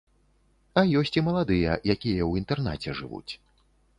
А ёсць і маладыя, якія ў інтэрнаце жывуць.